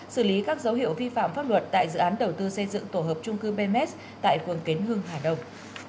xử lý các dấu hiệu vi phạm pháp luật tại dự án đầu tư xây dựng tổ hợp chung cư bms tại quận kến hương hải đồng